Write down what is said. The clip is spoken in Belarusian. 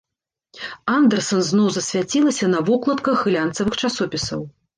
Андэрсан зноў засвяцілася на вокладках глянцавых часопісаў.